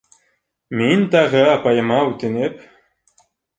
Мин тағы апайыма үтенеп: